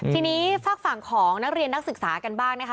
ทีนี้ฝากฝั่งของนักเรียนนักศึกษากันบ้างนะคะ